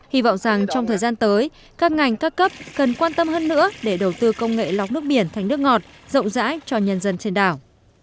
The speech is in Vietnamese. hy vọng rằng trong thời gian tới các ngành các cấp cần quan tâm hơn nữa để đầu tư công nghệ lọc nước biển thành nước ngọt rộng rãi cho nhân dân trên đảo